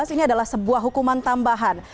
ini adalah sebuah hukuman tambahan